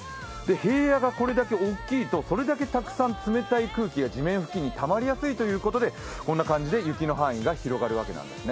平野がこれだけ大きいと冷たい空気がたまりやすいということでこんな感じで雪の範囲が広がるわけなんですね。